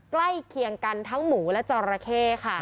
ใกล้เคียงกันทั้งหมูและจอราเข้ค่ะ